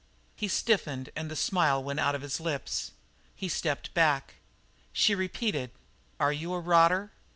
He stiffened and the smile went out on his lips. He stepped back. She repeated: "Are you a rotter?"